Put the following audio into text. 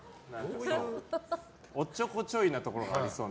おっちょこちょいなところがありそうで。